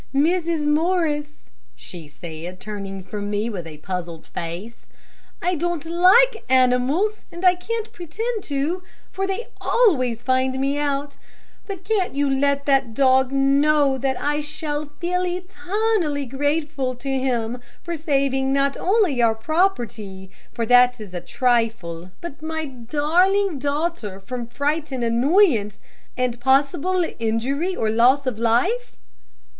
"Mrs. Morris," she said, turning from me with a puzzled face, "I don't like animals, and I can't pretend to, for they always find me out; but can't you let that dog know that I shall feel eternally grateful to him for saving not only our property for that is a trifle but my darling daughter from fright and annoyance, and a possible injury or loss of life?"